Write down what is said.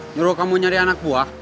nyuruh kamu nyari anak buah